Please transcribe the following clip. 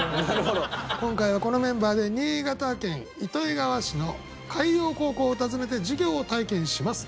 今回はこのメンバーで新潟県糸魚川市の海洋高校を訪ねて授業を体験します。